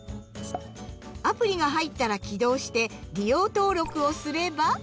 アプリが入ったら起動して「利用登録」をすれば。